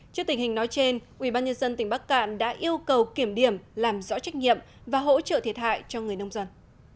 trước tình hình nói trên ubnd tỉnh bắc cạn đã yêu cầu kiểm điểm làm rõ trách nhiệm và hỗ trợ thiệt hại cho người nông dân